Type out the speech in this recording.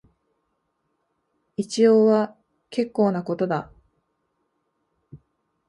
一応は結構なことだ